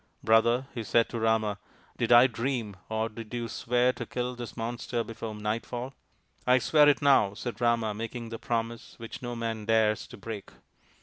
" Brother," he said to Rama, " did I dream, or did you swear to kill this monster before night fall ?"" I swear it now/' said Rama, making the promise which no man dares to break.